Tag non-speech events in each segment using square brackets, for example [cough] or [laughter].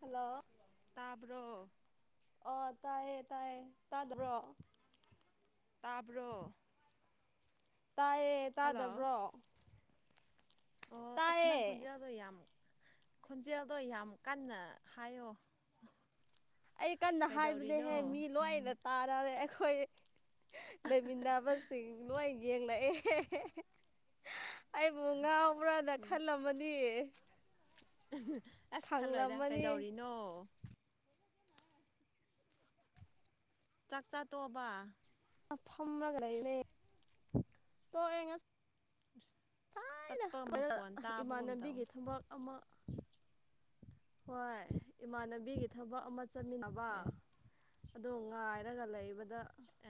Hello. ꯇꯥꯕ꯭ꯔꯣ ꯑꯣ ꯇꯥꯏꯌꯦ ꯇꯥꯏꯌꯦ ꯇꯥꯗꯕ꯭ꯔꯣ꯫ ꯇꯥꯕ꯭ꯔꯣ꯫ ꯇꯥꯏꯌꯦ ꯍꯜꯂꯣ ꯇꯥꯗꯕ꯭ꯔꯣ꯫ ꯑꯣ ꯑꯁ ꯅꯪ ꯇꯥꯏꯌꯦ ꯈꯣꯟꯖꯦꯜꯗꯣ ꯌꯥꯝ ꯈꯣꯟꯖꯦꯜꯗꯣ ꯌꯥꯝ ꯀꯟꯅ ꯍꯥꯏꯌꯣ ꯑꯩ ꯀꯟꯅ ꯀꯩꯗꯧꯔꯤꯅꯣ ꯍꯥꯏꯕꯅꯦꯍꯦ ꯃꯤ ꯂꯣꯏꯅ ꯇꯥꯔꯔꯦ ꯑꯩꯈꯣꯏ꯫ ꯂꯩꯃꯤꯟꯅꯕꯁꯤꯡ ꯂꯣꯏ ꯌꯦꯡꯂꯛꯑꯦ꯫ ꯑꯩꯕꯨ ꯉꯥꯎꯕ꯭ꯔꯥꯅ ꯎꯝ ꯈꯜꯂꯝꯃꯅꯤ꯫ ꯑꯁ ꯈꯜꯂꯣꯏꯗ ꯈꯪꯂꯝꯃꯅꯤ ꯀꯩꯗꯧꯔꯤꯅꯣ꯫ ꯆꯥꯛ ꯆꯥ ꯇꯣꯛꯑꯕ꯫ ꯐꯝꯔꯒ ꯂꯩꯔꯦ ꯇꯣꯛꯑꯦ ꯉꯁꯤ ꯑꯩꯅ ꯆꯠꯄ ꯂꯣꯢꯔꯒ ꯃꯈꯣꯟ ꯇꯥꯕꯒꯨꯝ ꯇꯧꯋꯦ ꯏꯃꯥꯟꯅꯕꯤꯒꯤ ꯊꯕꯛ ꯑꯃ ꯍꯣꯏ ꯏꯃꯥꯟꯅꯕꯤꯒꯤ ꯊꯕꯛ ꯑꯃ ꯆꯠꯃꯤꯟꯅꯕ꯫ ꯑꯦ ꯑꯗꯣ ꯉꯥꯏꯔꯒ ꯂꯩꯕꯗ꯫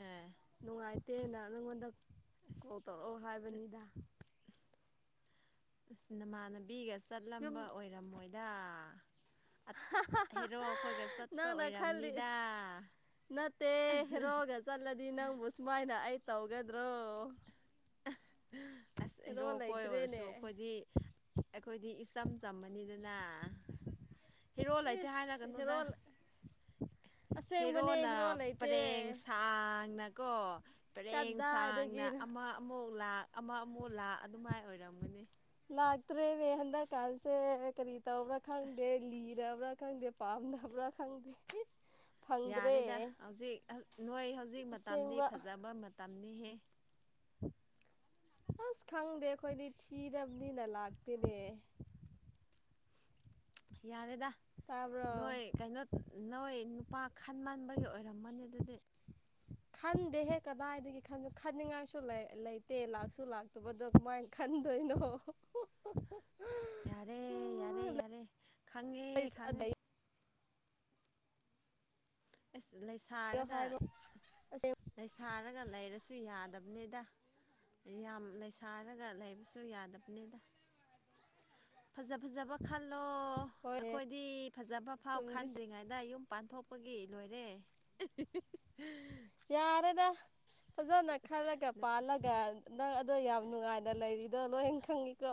ꯑꯦ ꯅꯨꯡꯉꯥꯏꯇꯦꯅ ꯅꯉꯣꯟꯗ ꯀꯣꯜ ꯇꯧꯔꯛꯑꯣ ꯍꯥꯏꯕꯅꯤꯗ ꯑꯁ ꯅꯃꯥꯟꯅꯕꯤꯒ ꯌꯨꯝ ꯆꯠꯂꯝꯕ ꯑꯣꯏꯔꯝꯃꯣꯏꯗ꯫ ꯍꯦꯔꯣ ꯑꯩꯈꯣꯏꯒ ꯆꯠꯄ ꯅꯪꯅ ꯈꯜꯂꯤ ꯑꯣꯏꯔꯝꯅꯤꯗ꯫ ꯅꯠꯇꯦ ꯍꯦꯔꯣꯒ ꯆꯠꯂꯗꯤ ꯅꯪꯕꯨ ꯁꯨꯃꯥꯏꯅ ꯑꯩ ꯇꯧꯒꯗ꯭ꯔꯣ꯫ ꯑꯁ ꯍꯦꯔꯣ ꯀꯣꯏ ꯑꯣꯏꯔꯁꯨ ꯑꯩꯈꯣꯏꯗꯤ꯫ ꯑꯩꯈꯣꯏꯗꯤ ꯏꯆꯝ ꯆꯝꯃꯅꯤꯗꯅ ꯍꯤꯔꯣ ꯂꯩꯇꯦ ꯏꯁ ꯍꯥꯏꯔꯒꯅꯨꯗ꯫ ꯍꯦꯔꯣ ꯑꯁꯦꯡꯕꯅꯦ ꯍꯦꯔꯣꯅ ꯍꯦꯔꯣ ꯂꯩꯇꯦ ꯄꯔꯦꯡ ꯁꯥꯡꯅꯀꯣ꯫ ꯄꯔꯦꯡ ꯁꯥꯡꯅ ꯀꯗꯥꯏꯗꯒꯤꯅꯣ ꯑꯃ ꯑꯃꯨꯛ ꯂꯥꯛ ꯑꯃ ꯑꯃꯨꯛ ꯂꯥꯛ ꯑꯗꯨꯃꯥꯏꯅ ꯑꯣꯏꯔꯝꯒꯅꯤ꯫ ꯂꯥꯛꯇ꯭ꯔꯦꯅꯦ ꯍꯟꯗꯛꯀꯥꯟꯁꯦ ꯀꯔꯤ ꯇꯧꯕ꯭ꯔꯥ ꯈꯪꯗꯦ ꯂꯤꯔꯕ꯭ꯔꯥ ꯈꯪꯗꯦ ꯄꯥꯝꯗꯕ꯭ꯔꯥ ꯈꯪꯗꯦ [inaudible] ꯐꯪꯗ꯭ꯔꯦ ꯌꯥꯔꯦꯗ ꯍꯧꯖꯤꯛ ꯅꯣꯏ ꯍꯧꯖꯤꯛ ꯃꯇꯝꯅꯤꯗꯤ ꯑꯁꯦꯡꯕ ꯐꯖꯕ ꯃꯇꯝꯅꯤꯍꯦ꯫ ꯑꯁ ꯈꯪꯗꯦ ꯑꯩꯈꯣꯏꯗꯤ ꯊꯤꯔꯝꯅꯤꯅ ꯂꯥꯛꯇꯦꯅꯦ ꯌꯥꯔꯦꯗ ꯇꯥꯕ꯭ꯔꯣ ꯅꯣꯏ꯫ ꯀꯩꯅꯣ ꯅꯣꯏ ꯅꯨꯄꯥ ꯈꯟꯃꯟꯕꯒꯤ ꯑꯣꯏꯔꯝꯃꯅꯤ ꯑꯗꯨꯗꯤ꯫ ꯈꯟꯗꯦꯍꯦ ꯀꯗꯥꯏꯗꯒꯤ ꯈꯟꯁꯨ ꯈꯟꯅꯤꯡꯉꯥꯏꯁꯨ ꯂꯩꯇꯦ ꯂꯥꯛꯁꯨ ꯂꯥꯛꯇꯕꯗꯣ ꯀꯃꯥꯏꯅ ꯈꯟꯗꯣꯏꯅꯣ ꯌꯥꯔꯦ ꯌꯥꯔꯦ ꯌꯥꯔꯦ ꯈꯥꯡꯉꯦ ꯈꯡꯉꯦ꯫ ꯑꯁ ꯂꯩꯁꯥꯔꯒ ꯍꯥꯏꯕ ꯂꯩꯁꯥꯔꯒ ꯂꯩꯔꯁꯨ ꯌꯥꯗꯕꯅꯤꯗ꯫ ꯌꯥꯝ ꯂꯩꯁꯥꯔꯒ ꯂꯩꯕꯁꯨ ꯌꯥꯗꯕꯅꯤꯗ ꯐꯖ ꯐꯖꯕ ꯈꯜꯂꯣ ꯍꯣꯏꯅꯦ ꯑꯩꯈꯣꯏꯗꯤ ꯐꯖꯕ ꯐꯥꯎ ꯆꯨꯝꯗꯤ ꯈꯟꯗ꯭ꯔꯤꯉꯩꯗ ꯌꯨꯝ ꯄꯥꯟꯊꯣꯛ꯫ ꯊꯣꯛꯄꯒꯤ ꯂꯣꯏꯔꯦ꯫ ꯌꯥꯔꯦꯗ ꯐꯖꯅ ꯈꯂꯒ ꯄꯥꯜꯒ꯫ ꯅꯪ ꯑꯗꯣ ꯌꯥꯝ ꯅꯨꯡꯉꯥꯏꯅ ꯂꯩꯔꯤꯗꯣ ꯂꯣꯏꯅ ꯈꯪꯉꯤꯀꯣ꯫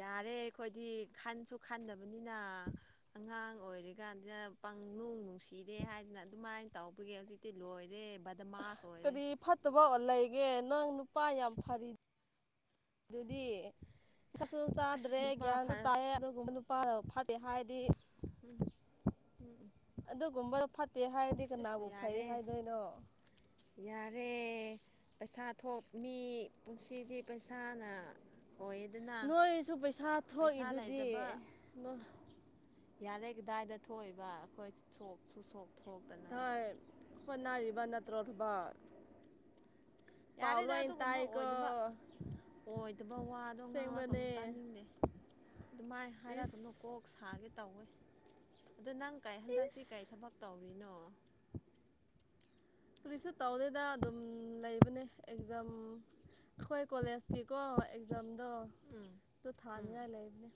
ꯌꯥꯔꯦ ꯑꯩꯈꯣꯏꯗꯤ ꯈꯟꯁꯨ ꯈꯟꯗꯕꯅꯤꯅ ꯑꯉꯥꯡ ꯑꯣꯏꯔꯤꯀꯥꯟꯗ ꯄꯪꯅꯨꯡ ꯅꯨꯡꯁꯤꯔꯦ ꯍꯥꯏꯗꯅ ꯑꯗꯨꯃꯥꯏꯅ ꯇꯧꯕꯒꯤ ꯍꯧꯖꯤꯛꯇꯤ ꯂꯣꯏꯔꯦ ꯕꯠ ꯀꯔꯤ ꯐꯠ ꯑꯠꯇꯣꯕ ꯂꯩꯒꯦ ꯅꯪ ꯅꯨꯄꯥ ꯌꯥꯝ ꯐꯔꯤ ꯑꯗꯨꯗꯤ꯫ ꯆꯥꯁꯨ ꯑꯁ ꯆꯥꯗ꯭ꯔꯦ ꯅꯨꯄꯥ ꯒ꯭ꯌꯥꯟꯗꯨ ꯐꯔꯁ ꯇꯥꯏ ꯑꯗꯨꯒꯨꯝꯕ ꯅꯨꯄꯥꯅ ꯐꯠꯇꯦ ꯍꯥꯏꯗꯤ꯫ [inaudible] ꯑꯗꯨꯒꯨꯝꯕ ꯐꯠꯇꯦꯍꯥꯏ꯫ ꯑꯁ ꯌꯥꯔꯦ꯫ ꯌꯥꯔꯦ ꯄꯩꯁꯥ ꯊꯣꯛ ꯃꯤ ꯄꯨꯟꯁꯤꯗꯤ ꯄꯩꯁꯥꯅ꯫ ꯑꯣꯏꯗꯅꯦ [unintelligible] ꯅꯣꯏꯁꯨ ꯄꯩꯁꯥ ꯊꯣꯛꯏꯗꯨꯗꯤ꯫ ꯌꯥꯔꯦ ꯀꯗꯥꯏꯗ ꯊꯣꯛꯏꯕ ꯑꯩꯈꯣꯏ ꯁꯣꯛ ꯁꯣꯛ ꯊꯣꯛꯇꯅ꯫ ꯊꯥꯏ ꯍꯣꯠꯅꯔꯤꯕ ꯅꯠꯇ꯭ꯔꯣ ꯊꯕ꯫ ꯌꯥꯔꯦꯗ ꯑꯗꯨꯒꯨꯝꯕ ꯑꯣꯏꯗꯕ꯫ ꯑꯣꯏꯗꯕ ꯋꯥꯗꯣ ꯉꯥꯡꯂꯛꯀꯅꯨ ꯑꯁꯦꯡꯕꯅꯦ ꯇꯥꯅꯤꯡꯗꯦ ꯑꯗꯨꯃꯥꯏ ꯍꯥꯏꯔꯛꯀꯅꯨ꯫ ꯏꯁ ꯀꯣꯛ ꯁꯥꯒꯦ ꯇꯧꯋꯦ ꯑꯗꯣ ꯅꯪ ꯀꯩꯏ ꯍꯟꯗꯛꯇꯤ ꯀꯔꯤ ꯏꯁ ꯊꯕꯛ ꯇꯧꯔꯤꯅꯣ꯫ ꯀꯔꯤꯁꯨ ꯇꯧꯗꯦꯗ ꯑꯗꯨꯝ ꯂꯩꯕꯅꯦ ꯑꯦꯛꯖꯥꯝ꯫ ꯑꯩꯈꯣꯏ ꯀꯣꯂꯦꯖꯀꯤꯀꯣ ꯑꯦꯛꯖꯥꯝꯗꯣ ꯎꯝ ꯑꯗꯨ ꯎꯝ ꯊꯥꯅꯤꯡꯉꯥꯏ ꯂꯩꯕꯅꯦ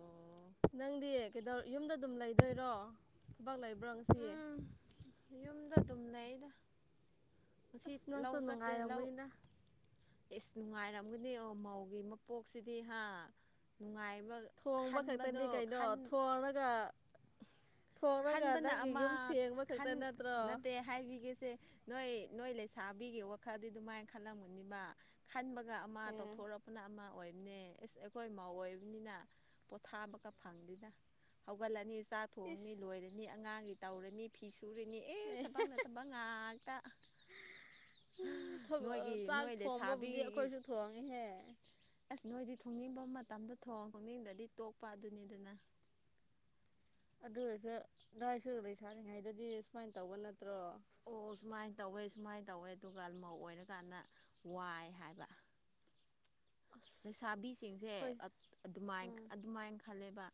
ꯑꯣ ꯅꯪꯗꯤ ꯀꯩꯗꯧ ꯌꯨꯝꯗ ꯑꯗꯨꯝ ꯂꯩꯗꯣꯏꯔꯣ ꯊꯕꯛ ꯂꯩꯕ꯭ꯔꯣ꯫ ꯁꯤ꯫ ꯎꯝ ꯌꯨꯝꯗ ꯑꯗꯨꯝ ꯂꯩ ꯑꯩꯅ ꯉꯥꯁꯤ ꯑꯁ ꯅꯪꯁꯨ ꯂꯧ ꯆꯠꯇꯦ ꯂꯧ꯫ ꯅꯨꯡꯉꯥꯏꯔꯝꯒꯅꯤꯅ ꯑꯦꯁ ꯅꯨꯡꯉꯥꯏꯔꯝꯒꯅꯤ ꯑꯣ ꯃꯧꯒꯤ ꯃꯄꯣꯛꯁꯤꯗꯤ ꯍꯥ ꯅꯨꯡꯉꯥꯏꯕ ꯊꯣꯡꯕ ꯈꯟꯕꯗꯣ ꯈꯛꯇꯅꯤ ꯀꯩꯅꯣ ꯈꯟ ꯊꯣꯡꯉꯒ ꯈꯟꯕꯅ ꯑꯃ ꯈꯟ ꯈꯛꯇ ꯅꯠꯇ꯭ꯔꯣ ꯅꯠꯇꯦ ꯍꯥꯏꯕꯤꯒꯁꯦ ꯅꯣꯏ ꯅꯣꯏ ꯂꯩꯁꯥꯕꯤꯒꯤ ꯋꯥꯈꯜꯗꯤ ꯑꯗꯨꯃꯥꯏꯅ ꯈꯜꯂꯝꯕꯅꯤꯕ ꯈꯟꯕꯒ ꯑꯃ ꯑꯦ ꯇꯧꯊꯣꯔꯛꯄꯅ ꯑꯃ ꯑꯣꯏꯕꯅꯦ ꯑꯦꯁ ꯑꯩꯈꯣꯏ ꯃꯧ ꯑꯣꯏꯕꯅꯤꯅ ꯄꯣꯊꯥ ꯑꯃꯀ ꯐꯪꯗꯦꯅ ꯍꯧꯒꯠꯂꯅꯤ ꯆꯥ ꯅꯤ ꯏꯁ ꯂꯣꯏꯔꯅꯤ ꯑꯉꯥꯡꯒꯤ ꯇꯧꯔꯅꯤ ꯐꯤ ꯁꯨꯔꯅꯤ ꯑꯦꯁ ꯑꯦ ꯊꯕꯛ ꯅꯠꯇꯕꯛ ꯉꯥꯛꯇ ꯁꯨꯝ ꯊꯕ ꯅꯣꯏꯒꯤ ꯆꯥꯛ ꯅꯣꯏ ꯊꯣꯡꯕꯕꯨꯗꯤ ꯂꯩꯁꯥꯕꯤꯒꯤ ꯑꯩꯈꯣꯏꯁꯨ ꯊꯣꯡꯉꯦꯍꯦ ꯑꯁ ꯅꯣꯏꯗꯤ ꯊꯣꯡꯅꯤꯡꯕ ꯃꯇꯝꯗ ꯊꯣꯡ ꯈꯣꯡꯅꯤꯡꯗ꯭ꯔꯗꯤ ꯇꯣꯛꯄ ꯑꯗꯨꯅꯤ ꯑꯗꯨꯅ ꯑꯗꯨ ꯑꯣꯏꯔꯁꯨ ꯅꯣꯏꯁꯨ ꯂꯩꯁꯥꯔꯤꯉꯩꯗꯗꯤ ꯁꯨꯃꯥꯏꯟ ꯇꯧꯕ ꯅꯠꯇ꯭ꯔꯣ ꯑꯣ ꯁꯨꯃꯥꯏꯅ ꯇꯧꯋꯦ ꯁꯨꯃꯥꯏꯅ ꯇꯧꯋꯦ ꯑꯗꯨꯒ ꯃꯧ ꯑꯣꯏꯔꯀꯥꯟꯗ ꯋꯥꯏ ꯍꯥꯏꯕ ꯑꯁ ꯂꯩꯁꯥꯕꯤꯁꯤꯡꯁꯦ ꯑꯩꯈꯣꯏ ꯑꯗꯨꯃꯥꯏ ꯑꯥ ꯑꯗꯨꯃꯥꯏꯅ ꯈꯜꯂꯦꯕ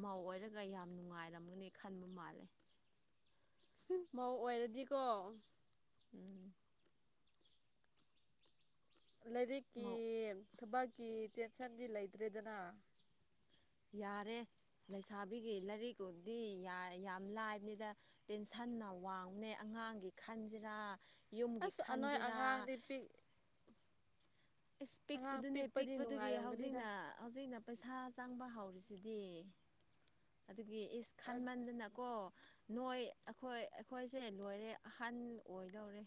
ꯃꯥꯧ ꯑꯣꯏꯔꯒ ꯌꯥꯝ ꯅꯨꯡꯉꯥꯏꯔꯝꯒꯅꯤ ꯈꯟꯕ ꯃꯥꯜꯂꯦ ꯃꯧ ꯑꯣꯏꯔꯗꯤꯀꯣ ꯎꯝ ꯂꯩꯔꯤꯛ ꯅ [inaudible] ꯊꯕꯛꯀꯤ ꯇꯦꯟꯁꯟꯗꯤ ꯂꯩꯇ꯭ꯔꯦꯗꯅ ꯌꯥꯔꯦ ꯂꯩꯁꯥꯕꯤꯒꯤ ꯂꯥꯏꯔꯤꯛꯨꯗꯤ ꯌꯥꯝ ꯂꯥꯏꯕꯅꯤꯗ ꯇꯦꯟꯁꯟꯅ ꯋꯥꯡꯅꯦ ꯑꯉꯥꯡꯒꯤ ꯈꯟꯁꯤꯔꯥ ꯌꯨꯝꯒꯤ ꯈꯟꯁꯤꯔꯥ ꯄꯤ ꯏꯁ ꯑꯉꯥꯡ ꯄꯤꯛꯄꯗꯨꯅꯦ ꯄꯤꯛꯄꯗꯤ ꯄꯤꯛꯄꯗꯨꯒꯤ ꯅꯨꯡꯉꯥꯏꯔꯝꯒꯅꯤꯗ ꯍꯧꯖꯤꯛꯅ ꯍꯧꯖꯤꯛꯅ ꯄꯩꯁꯥ ꯆꯪꯕ ꯍꯧꯔꯤꯁꯤꯗꯤ ꯑꯗꯨꯒꯤ ꯏꯁ ꯈꯥꯟꯃꯟꯗꯅꯀꯣ ꯅꯣꯏ ꯑꯩꯈꯣꯏ ꯑꯩꯈꯣꯏꯁꯦ ꯂꯣꯏꯔꯦ ꯑꯍꯟ ꯑꯣꯏꯗꯧꯔꯦ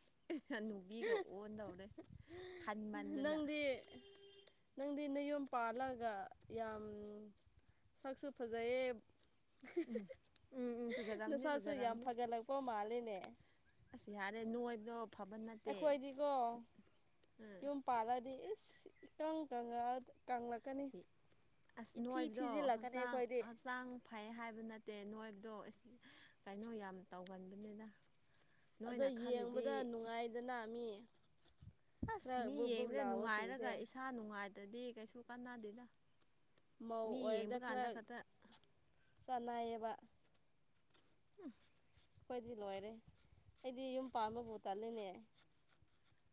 ꯅꯨꯕꯤꯒ ꯑꯣꯟꯗꯧꯔꯦ ꯈꯟꯃꯟꯗꯅ ꯗꯤ ꯅꯪꯗꯤ ꯅꯌꯣꯝ ꯄꯥꯜꯂꯒ ꯌꯥꯝ ꯁꯛꯁꯨ ꯐꯖꯩꯌꯦ ꯎꯝ ꯎꯝ ꯎꯝ ꯐꯖꯔꯝꯅꯤ ꯅꯁꯥꯁꯨ ꯌꯥꯝ ꯐꯖꯔꯝꯅꯤ ꯐꯒꯠꯂꯛꯄ ꯃꯥꯂꯦꯅꯦ ꯑꯁ ꯌꯥꯔꯦ ꯅꯣꯏꯕꯗꯣ ꯐꯕ ꯅꯠꯇꯦ ꯑꯩꯈꯣꯏꯗꯤꯀꯣ ꯎꯝ ꯌꯨꯝ ꯄꯥꯜꯂꯗꯤ ꯏꯀꯪ ꯀꯪꯉ ꯇꯂꯛꯀꯅꯤ ꯑꯁ ꯅꯣꯏꯕꯗꯣ ꯍꯛꯆꯥꯡ ꯑꯩꯈꯣꯏꯗꯤ ꯍꯛꯆꯥꯡ ꯐꯩ ꯍꯥꯏꯕ ꯅꯠꯇꯦ ꯅꯣꯏꯕꯗꯣ ꯀꯩꯅꯣ ꯌꯥꯝ ꯇꯧꯒꯟꯕꯅꯤꯅ ꯑꯗꯣ ꯅꯣꯏꯅ ꯈꯜꯂꯤꯗꯤ ꯌꯦꯡꯕꯗ ꯅꯨꯡꯉꯥꯏꯗꯅ ꯃꯤ ꯑꯁ ꯈꯔ ꯃꯤ ꯕꯨꯞ ꯕꯨꯞ ꯌꯦꯡꯗꯦ ꯂꯥꯎꯕꯁꯤꯡꯁꯦ ꯅꯨꯡꯉꯥꯏꯔꯒ ꯏꯁꯥ ꯅꯨꯡꯉꯥꯏꯇꯗꯤ ꯀꯩꯁꯨ ꯀꯥꯟꯅꯗꯦꯗ ꯃꯧ ꯃꯤ ꯌꯦꯡꯕꯀꯥꯟꯗ ꯈꯛꯇ ꯁꯅꯥꯑꯕ [unintelligible] [unintelligible] ꯑꯩꯈꯣꯏꯗꯤ ꯂꯣꯏꯔꯦ ꯑꯩꯗꯤ ꯌꯨꯝ ꯄꯥꯟꯕꯕꯨ ꯇꯜꯂꯤꯅꯦ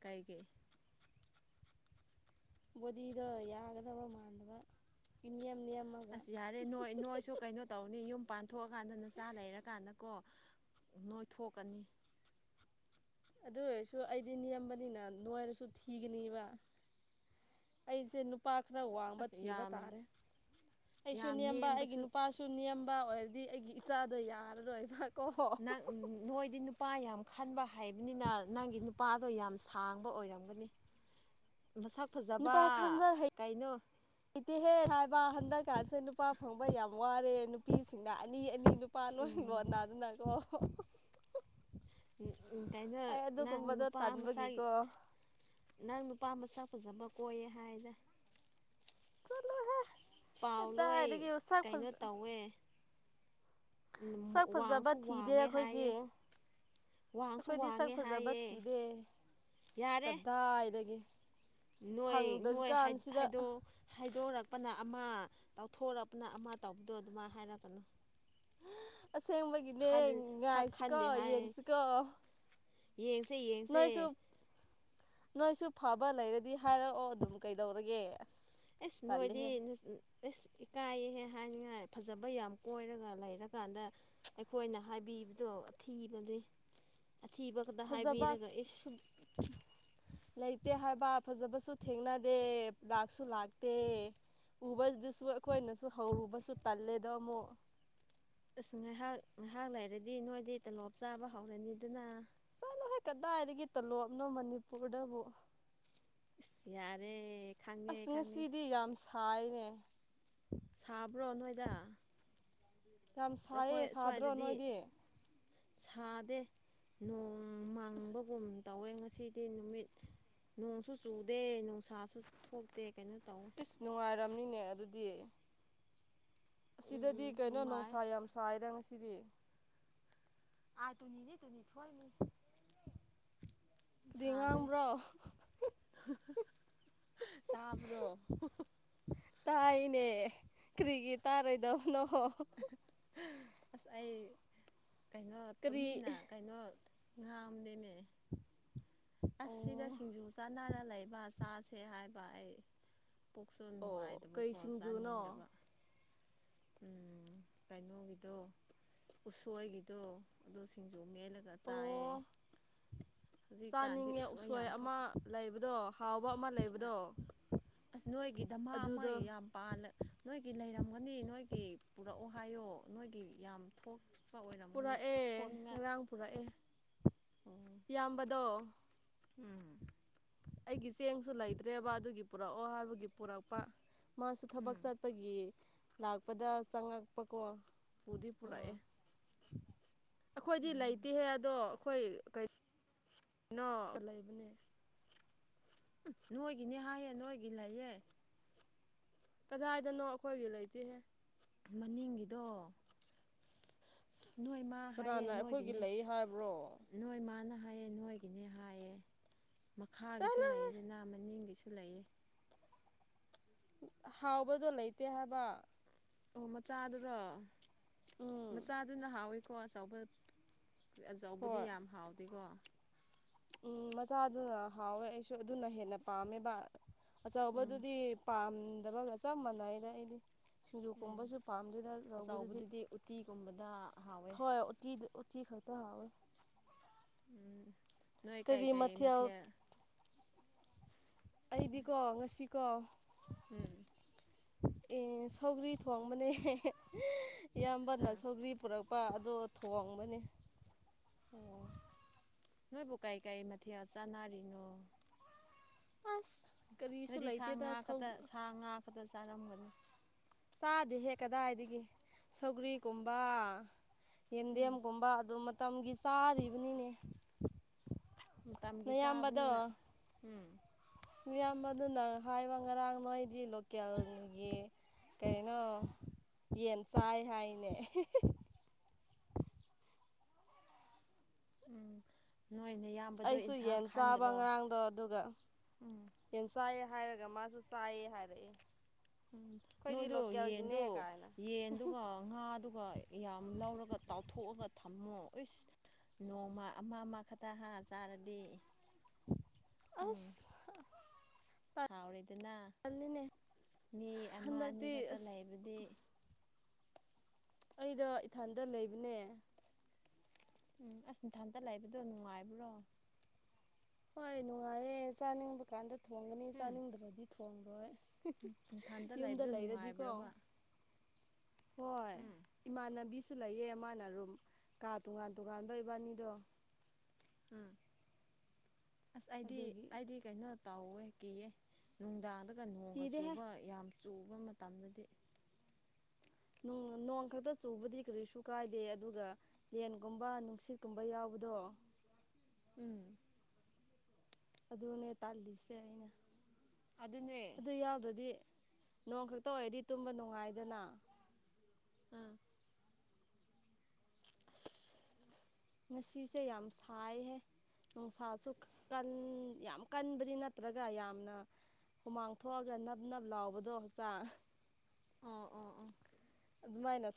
ꯀꯥꯏ ꯀꯩ ꯕꯣꯗꯤꯗꯣ ꯌꯥꯒꯗꯕ ꯃꯥꯥꯟꯗꯕ ꯏꯅꯤꯌꯝ ꯌꯝ ꯑꯁ ꯌꯥꯔꯦ ꯅꯣꯏ ꯅꯣꯏꯁꯨ ꯀꯩꯅꯣ ꯇꯧꯅꯤ ꯌꯨꯝ ꯄꯥꯟꯊꯣꯛꯑꯀꯥꯟꯗ ꯅꯆꯥ ꯂꯩꯔꯀꯥꯟꯗꯀꯣ ꯅꯣꯏꯊꯣꯛꯀꯥꯅꯤ ꯑꯗꯨ ꯑꯣꯏꯔꯁꯨ ꯑꯩꯗꯤ ꯅꯦꯝꯕꯅꯤꯅ ꯅꯣꯏꯔꯁꯨ ꯊꯤꯒꯅꯤꯕ ꯑꯩꯁꯦ ꯅꯨꯄꯥ ꯈꯔ ꯋꯥꯡꯕ ꯑꯁ ꯊꯤꯕ ꯌꯥꯝ ꯇꯥꯔꯦ ꯑꯩꯁꯨ ꯌꯥꯝ ꯅꯦꯝꯕ ꯑꯩꯒꯤ ꯅꯦꯝꯕꯁꯨ ꯅꯨꯄꯥꯁꯨ ꯅꯤꯌꯥꯝꯕ ꯑꯣꯏꯔꯗꯤ ꯑꯩꯒꯤ ꯏꯆꯥꯗ ꯌꯥꯔꯔꯣꯏꯕꯛ ꯅꯪ ꯃꯣꯏꯗꯤ ꯅꯨꯄꯥ ꯌꯥꯝ ꯈꯟꯕ ꯍꯩꯕꯅꯤꯅ ꯅꯪꯒꯤ ꯅꯨꯄꯥꯗꯣ ꯌꯥꯝ ꯁꯥꯡꯕ ꯑꯣꯏꯔꯝꯒꯅꯤ ꯃꯁꯛ ꯐꯖꯕ ꯀꯩꯅꯣ ꯏꯇꯤꯍꯦꯛ ꯍꯥꯏꯕ ꯍꯟꯗꯛꯀꯥꯟꯁꯗ ꯅꯨꯄꯥ ꯐꯪꯕ ꯌꯥꯝ ꯋꯥꯔꯦ ꯅꯨꯄꯤꯁꯤꯡꯅ ꯑꯅꯤ ꯑꯅꯤ ꯅꯨꯄꯥꯥꯟ ꯂꯣꯏ ꯂꯣꯟꯅ ꯑꯗꯨꯅꯀꯣ ꯎꯝꯩꯅꯣ ꯑꯩ ꯅꯪ ꯑꯗꯨꯒꯨꯝꯕꯗꯣ ꯅꯨꯄꯥ ꯃꯁꯥꯒꯤ ꯇꯟꯕꯒꯤꯀꯣ [unintelligible] ꯅꯪ ꯅꯨꯄꯥ ꯃꯁꯛ ꯐꯖꯕ ꯀꯣꯏꯌꯦ ꯍꯥꯏꯗ ꯆꯠꯂꯣꯍꯦ ꯄꯥꯎ ꯂꯣꯏ ꯀꯗꯥꯏꯗꯒꯤ ꯃꯁꯛ ꯀꯩꯅꯣ ꯐꯖ ꯇꯧꯋꯦ ꯁꯛ ꯐꯖꯕ ꯋꯥꯡꯁꯨ ꯊꯤꯗꯦ ꯋꯥꯡꯉꯦ ꯍꯥꯏꯌꯦ ꯑꯩꯈꯣꯏꯗꯤ ꯋꯥꯡꯁꯨ ꯑꯩꯈꯣꯏꯗꯤ ꯁꯛ ꯋꯥꯡꯉꯦ ꯐꯖꯕ ꯍꯥꯏꯌꯦ ꯊꯤꯗꯦ ꯌꯥꯔꯦ ꯀꯗꯥꯏꯗꯒꯤ ꯅꯣꯏ ꯅꯣꯏ ꯍꯥꯏ ꯐꯪꯗꯣꯔꯤꯀꯥꯟꯁꯤꯗ ꯍꯥꯏꯗꯣ ꯍꯩꯗꯣꯔꯛꯄꯅ ꯑꯃ ꯇꯧꯊꯣꯔꯛꯄꯅ ꯑꯃ ꯇꯧꯕꯗꯣ ꯑꯗꯨꯃꯥꯏ ꯍꯥꯏꯔꯛꯀꯥꯅꯨ ꯑꯁꯦꯡꯕꯒꯤꯅꯦ ꯁꯛ ꯉꯥꯏꯁꯤꯀꯣ ꯈꯟꯗꯦ ꯍꯥꯏ ꯌꯦꯡꯁꯤꯀꯣ ꯌꯦꯡꯁꯦ ꯌꯦꯡꯁꯦ ꯅꯣꯏꯁꯨ ꯅꯣꯏꯁꯨ ꯐꯕ ꯂꯩꯔꯗꯤ ꯍꯥꯏꯔꯛꯑꯣ ꯑꯗꯨꯝ ꯀꯩꯗꯧꯔꯒꯦ ꯑꯁ ꯑꯦꯁ ꯅꯣꯏꯗꯤ ꯇꯜꯂꯦꯍꯦ ꯑꯦꯁ ꯏꯀꯥꯏꯍꯦ ꯍꯥꯏꯅꯤꯡꯉꯥꯏ ꯐꯖꯕ ꯌꯥꯝ ꯀꯣꯏꯔꯒ ꯂꯩꯔꯀꯥꯟꯗ ꯑꯩꯈꯣꯏꯅ ꯍꯥꯏꯕꯤꯕꯗꯣ ꯑꯊꯤꯕꯅꯦ ꯑꯊꯤꯕ ꯈꯛꯇ ꯐꯖꯕ ꯍꯥꯏꯕꯤꯔꯒ ꯏꯁ [unintelligible] ꯂꯩꯇꯦ ꯍꯥꯏꯕ ꯐꯖꯕꯁꯨ ꯊꯦꯡꯅꯗꯦ ꯂꯥꯛꯁꯨ ꯂꯥꯛꯇꯦ ꯎꯕꯗꯨꯁꯨ ꯑꯩꯈꯣꯏꯅꯁꯨ ꯍꯧꯔꯨꯕꯁꯨ ꯇꯜꯂꯦꯗꯣ ꯑꯃꯨꯛ ꯑꯁ ꯉꯥꯏꯍꯥꯛ ꯉꯥꯏꯍꯥꯛ ꯂꯩꯔꯗꯤ ꯅꯣꯏꯗꯤ ꯇꯂꯣꯞ ꯆꯥꯕ ꯍꯧꯔꯅꯤ ꯑꯗꯨꯅ ꯆꯠꯂꯨꯍꯦ ꯀꯗꯥꯏꯗꯒꯤ ꯇꯜꯂꯣꯑꯕꯅꯣ ꯃꯅꯤꯄꯨꯔꯗꯕꯨ ꯌꯥꯔꯦ ꯈꯪꯉꯦ ꯑꯁ ꯈꯪꯉꯦ ꯉꯁꯤꯗꯤ ꯌꯥꯝ ꯁꯥꯏꯅꯦ ꯁꯥꯕ꯭ꯔꯣ ꯅꯣꯏꯗ ꯌꯥꯝ ꯑꯩꯈꯣꯏ ꯁꯥꯏꯌꯦ ꯁꯥꯗ꯭ꯔꯣ ꯁ꯭ꯋꯥꯏꯗꯗꯤ ꯅꯣꯏꯗꯤ ꯁꯥꯗꯦ ꯅꯣꯡ ꯃꯥꯡꯕꯒꯨꯝ ꯇꯧꯋꯦ ꯉꯁꯤꯗꯤ ꯅꯨꯃꯤꯠ ꯅꯣꯡꯁꯨ ꯆꯨꯗꯦ ꯅꯨꯡꯁꯥꯁꯨ ꯊꯣꯛꯇꯦ ꯀꯩꯅꯣ ꯇꯧꯋꯦ ꯏꯁꯁ ꯅꯨꯡꯉꯥꯏꯔꯝꯅꯤꯅꯦ ꯑꯗꯨꯗꯤ ꯎꯝ ꯑꯁꯤꯗꯗꯤ ꯀꯩꯅꯣ ꯅꯨꯡꯉꯥꯏ ꯅꯨꯡꯁꯥ ꯌꯥꯝ ꯁꯥꯏꯗ ꯉꯁꯤꯗꯤ ꯑ ꯇꯨꯅꯤ ꯇꯨꯅꯤ ꯊꯊꯣꯏ ꯃꯤ ꯀꯔꯤ ꯁꯥꯗꯦ ꯉꯥꯡꯕ꯭ꯔꯣ ꯇꯥꯕ꯭ꯔꯣ ꯇꯥꯏꯅꯦ ꯀꯔꯤꯒꯤ ꯇꯥꯔꯣꯏꯗꯣ ꯅ ꯑꯁ ꯑꯩ ꯀꯩꯅꯣ ꯀꯔꯤ ꯇꯨꯃꯤꯟꯅ ꯀꯩꯅꯣ ꯉꯝꯗꯃꯦ ꯑꯁ ꯁꯤꯗ ꯑꯣ ꯁꯤꯡꯖꯨ ꯆꯥꯅꯔ ꯂꯩꯕ ꯆꯥꯁꯦ ꯍꯥꯏꯕ ꯑꯩ ꯄꯣꯛꯆ ꯑꯣ ꯀꯩ ꯅꯨꯡꯉꯥꯏꯇꯕꯀꯣ ꯁꯤꯡꯖꯨꯅꯣ ꯆꯥꯅꯤꯡꯗꯕ ꯎ ꯀꯩꯅꯣꯒꯤꯗꯣ ꯎꯁꯣꯏꯒꯤꯗꯣ ꯑꯗꯨ ꯁꯤꯡꯖꯨ ꯃꯦꯜꯂꯒ ꯈ ꯇꯥꯏꯌꯦ ꯑꯣ ꯍꯧꯖꯤꯛꯀꯥꯟꯗꯤ ꯆꯥꯅꯤꯡꯉꯦ ꯎꯁꯑ ꯎꯁꯣꯏ ꯌꯥꯝ ꯊꯣꯛ ꯑꯃ ꯂꯩꯕꯗꯣ ꯍꯥꯎꯕ ꯑꯃ ꯂꯩꯕꯗꯣ ꯑꯁ ꯅꯣꯏꯒꯤ ꯗꯙꯃꯥ ꯑꯃ ꯑꯗꯨꯗꯣ ꯌꯥꯝ ꯅꯣꯏꯒꯤ ꯂꯩꯔꯝꯒꯅꯤ ꯅꯣꯏꯒꯤ ꯄꯨꯔꯛꯑꯣ ꯍꯥꯏꯌꯣ ꯅꯣꯏꯒꯤ ꯌꯥꯝ ꯊꯣꯛ ꯄꯨꯔꯛꯑꯦ ꯉꯔꯥꯡ ꯄꯨꯔꯛꯑꯦ ꯎꯝ ꯏꯕꯗꯣ ꯎꯝ ꯑꯩꯒꯤ ꯆꯦꯡꯁꯨ ꯂꯩꯇ꯭ꯔꯦꯕ ꯑꯗꯨꯒꯤ ꯄꯨꯔꯛꯑꯣ ꯍꯥꯏꯕꯒꯤ ꯄꯨꯔꯛꯄ ꯃꯥꯁꯨ ꯊꯕꯛ ꯆ ꯎꯝ ꯑꯄꯒꯤ ꯂꯥꯛꯄꯗ ꯆꯪꯉꯛꯄꯀꯣ ꯄꯨꯗꯤ ꯄꯨꯔꯛꯑꯦ ꯑꯣ [unintelligible] ꯑꯩꯈꯣꯏꯗꯤ ꯎꯝ ꯂꯩꯇꯦꯍꯦ ꯑꯗꯣ ꯑꯩꯈꯣꯏ ꯀꯅꯣ ꯂꯩꯕꯅꯦ ꯅꯣꯏꯒꯤꯅꯦ ꯍꯥꯏꯌꯦ ꯅꯣꯏꯒꯤ ꯂꯩꯌꯦ ꯀꯗꯥꯏꯗꯅꯣ ꯑꯩꯈꯣꯏꯒꯤ ꯂꯩꯇꯦꯍꯦ ꯃꯅꯤꯡꯒꯤꯗꯣ ꯅꯣꯏ ꯏꯃ ꯀꯅꯥꯅ ꯑꯩꯈꯣꯏꯒꯤ ꯂꯩ ꯍꯥꯏꯕ꯭ꯔꯣ ꯅꯣꯏ ꯃꯥꯅ ꯍꯥꯏꯌꯦ ꯅꯣꯏꯒꯤꯅꯦ ꯍꯥꯏꯌꯦ ꯃꯈꯥꯒꯤꯁꯨ ꯆꯠꯂꯣꯍꯦ ꯂꯩ ꯑꯗꯨꯅ ꯃꯅꯤꯡꯒꯤꯁꯨ ꯂꯩꯌꯦ ꯍꯥꯎꯕꯗꯣ ꯂꯩꯇꯦ ꯍꯥꯏꯕ ꯑꯣ ꯃꯆꯥꯗꯨꯔꯣ ꯃꯆꯥꯗꯨꯅ ꯍꯥꯎꯋꯤꯀꯣ ꯑꯆꯧꯕ ꯑꯆꯧꯕꯗꯤ ꯍꯣꯏ ꯌꯥꯝ ꯍꯥꯎꯗꯦꯀꯣ ꯎꯝ ꯃꯆꯥꯗꯨꯅ ꯍꯥꯎꯋꯦ ꯑꯩꯁꯨ ꯑꯗꯨꯅ ꯍꯦꯟꯅ ꯄꯥꯝꯃꯦꯕ ꯎꯝ ꯑꯆꯥꯕꯗꯨꯗꯤ ꯄꯥꯝꯗꯕ ꯆꯞ ꯃꯥꯟꯅꯩꯗ ꯑꯩꯗꯤ ꯁꯤꯡꯖꯨ ꯀꯨꯝꯕꯁꯨ ꯄꯥꯝꯗꯗ ꯑꯆꯣꯏꯕꯗꯨꯗꯤ ꯎꯇꯤꯒꯨꯝꯕꯗ ꯍꯥꯎꯋꯦ ꯀ ꯀ ꯈꯇꯥꯍꯥꯎ ꯑꯣꯏ ꯎꯝ ꯅꯣꯏ ꯀꯥꯏ ꯀꯥꯏ ꯃꯊꯦꯜ ꯑꯩꯗꯤꯀꯣ ꯉꯁꯤꯀꯣ ꯎꯝ ꯑꯦ ꯁꯧꯒ꯭ꯔꯤ ꯊꯣꯡꯕꯅꯦ ꯏꯌꯥꯝꯕꯅ ꯑꯥ ꯁꯧꯒ꯭ꯔꯤ ꯄꯨꯔꯛꯄ ꯅꯨꯄꯥ ꯑꯗꯣ ꯊꯣꯡꯕꯅꯤ ꯑꯣ ꯅꯣꯏꯕꯨ ꯀꯩ ꯀꯩ ꯃꯊꯦꯜ ꯆꯥꯟꯅꯔꯤꯅꯣ ꯑꯁ ꯀꯔꯤꯁꯨ ꯑꯗꯨꯗꯤ ꯁꯥ ꯂꯩꯇꯦꯗ ꯉꯥ ꯁꯧ ꯈꯛꯇ ꯁꯥ ꯉꯥ ꯈꯛꯇ ꯆꯥꯔꯝꯒꯅꯤ ꯆꯥꯗꯦ ꯍꯦꯛ ꯀꯗꯥꯏꯗꯒꯤ ꯁꯧꯒ꯭ꯔꯤꯒꯨꯝꯕ ꯎꯝ ꯌꯦꯟꯗꯦꯝꯒꯨꯝꯕ ꯑꯗꯨ ꯃꯇꯝꯒꯤ ꯆꯥꯔꯤꯕꯅꯤꯅꯦ ꯃꯇꯝꯒꯤ ꯆꯥꯕꯅꯤꯅ ꯎꯝ ꯏꯌꯥꯝꯕꯗꯨ ꯅ ꯍꯥꯏꯕ ꯉꯔꯥꯡ ꯅꯣꯏꯗꯤ ꯂꯣꯀꯦꯜꯒꯤ ꯀꯩꯅꯣ ꯌꯦꯟ ꯆꯥꯏ ꯍꯥꯏꯅꯦ ꯎꯝ ꯅꯣꯏ ꯅꯌꯥꯝꯕ ꯑꯩꯁꯨ ꯌꯦꯟ ꯆꯥꯕ ꯉꯔꯥꯡꯗꯣ ꯑꯗꯨꯒ ꯎꯝ ꯌꯦꯟ ꯆꯥꯏꯌꯦ ꯍꯥꯏꯔꯒ ꯃꯥꯁꯨ ꯆꯥꯏꯌꯦ ꯍꯥꯏꯔꯛꯑꯦ ꯎꯝ ꯑꯩꯈꯣꯏꯗꯤ ꯅꯣꯏꯗꯣ ꯂꯣꯀꯦꯜꯒꯤꯅꯦ ꯌꯦꯟꯗꯣ ꯀꯥꯏꯅ ꯌꯦꯟꯗꯨꯒ ꯉꯥꯗꯨꯒ ꯌꯥꯝ ꯂꯧꯔꯒ ꯇꯥꯎꯊꯣꯛꯑꯒ ꯊꯝꯃꯣ ꯑꯩꯁ ꯅꯣꯡꯃ ꯑꯃ ꯑꯃ ꯈꯛꯇ ꯍꯥ ꯆꯥꯔꯗꯤ ꯎꯝ ꯑꯁ ꯍꯥꯎꯔꯦꯗꯅ ꯇꯜꯂꯤꯅꯦ ꯃꯤ ꯑꯃ ꯑꯅꯤ ꯍꯟꯗꯛꯇꯤ ꯈꯛꯇ ꯑꯁ ꯂꯩꯕꯗꯤ ꯑꯩꯗꯣ ꯏꯊꯥꯟꯗ ꯂꯩꯕꯅꯦ ꯎꯝ ꯑꯁ ꯅꯊꯟꯇ ꯂꯩꯕꯗꯣ ꯅꯨꯡꯉꯥꯏꯕ꯭ꯔꯣ ꯍꯣꯏ ꯅꯨꯡꯉꯥꯏꯌꯦ ꯆꯥꯅꯤꯡꯕ ꯀꯥꯟꯗ ꯊꯣꯡꯒꯅꯤ ꯆꯥꯅꯤꯡꯗ꯭ꯔꯗꯤ ꯊꯣꯡꯂꯔꯣꯏ ꯎꯊꯟꯗ ꯂꯩꯕꯗꯣ ꯅꯨꯡꯉꯥꯏꯕ꯭ꯔꯕ ꯍꯣꯏ ꯎꯝ ꯏꯃꯥꯟꯕꯤ ꯁꯨ ꯂꯩꯌꯦ ꯃꯥꯅ ꯔꯨꯝ ꯀꯥ ꯇꯣꯉꯥꯟ ꯇꯣꯉꯥꯟꯕ ꯏꯕꯥꯅꯤꯗꯣ ꯎꯝ ꯑꯁ ꯑꯩꯗꯤ ꯑꯗꯨꯒꯤ ꯑꯩꯗꯤ ꯀꯩꯅꯣ ꯇꯥꯎꯋꯦ ꯀꯤꯌꯦ ꯅꯨꯡꯗꯥꯡꯗꯒ ꯅꯣꯡꯒ ꯀꯤꯗꯦꯍꯦ ꯆꯨꯕ ꯌꯥꯝ ꯆꯨꯕ ꯃꯇꯝꯗꯗꯤ ꯅꯣꯡ ꯈꯛꯇ ꯆꯨꯕꯗꯤ ꯀꯔꯤꯁꯨ ꯀꯥꯏꯗꯦ ꯑꯗꯨꯒ ꯂꯦꯟꯒꯨꯝꯕ ꯅꯨꯡꯁꯤꯠꯀꯨꯝꯕ ꯌꯥꯎꯕꯗꯣ ꯎꯝ ꯑꯗꯨꯅꯦ ꯇꯥꯜꯂꯤꯁꯦ ꯑꯩꯅ ꯑꯗꯨꯅꯦ ꯑꯗꯨ ꯌꯥꯎꯗ꯭ꯔꯗꯤ ꯅꯣꯡ ꯈꯛꯇ ꯑꯣꯏꯔꯗꯤ ꯇꯨꯝꯕ ꯅꯨꯡꯉꯥꯏꯗꯅ ꯑꯥ ꯑꯁ [unintelligible] ꯉꯁꯤꯁꯦ ꯌꯥꯝ ꯁꯥꯏꯍꯦ ꯅꯨꯡꯁꯥꯁꯨ ꯀꯟ ꯌꯥꯝ ꯀꯟꯕꯗꯤ ꯅꯠꯇ꯭ꯔꯒ ꯌꯥꯝꯅ ꯍꯨꯃꯥꯡ ꯊꯣꯛꯑꯒ ꯅꯞ ꯅꯞ ꯂꯥꯎꯕꯗꯣ ꯍꯛꯆꯥꯡ ꯑꯣ ꯑꯣ ꯑꯣ ꯑꯗꯨꯃꯥꯏꯅ